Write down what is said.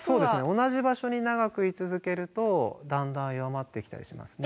同じ場所に長く居続けるとだんだん弱まってきたりしますね。